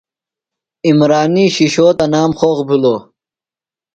عمرانی شِشو تنام خوخ بِھلوۡ۔